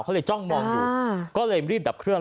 เขาเลยจ้องมองอยู่ก็เลยรีบดับเครื่อง